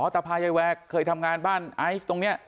ตาพายายแวร์เคยทำงานบ้านไอซ์ตรงนี้